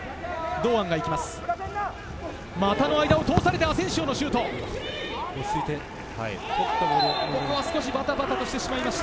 堂安が行きます。